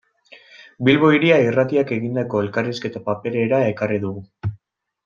Bilbo Hiria Irratiak egindako elkarrizketa paperera ekarri dugu.